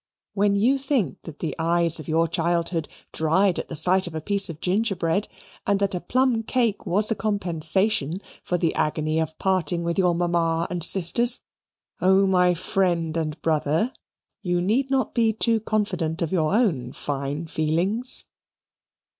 When you think that the eyes of your childhood dried at the sight of a piece of gingerbread, and that a plum cake was a compensation for the agony of parting with your mamma and sisters, oh my friend and brother, you need not be too confident of your own fine feelings.